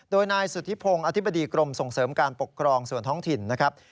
โดยนายสุธิพงศ์อธิบดีกรมส่งเสริมการปกครองส่วนท้องถิ่นนะครับ